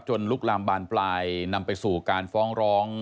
ลุกลามบานปลายนำไปสู่การฟ้องร้อง